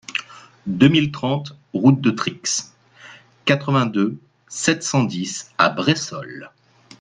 deux mille trente route de Trixe, quatre-vingt-deux, sept cent dix à Bressols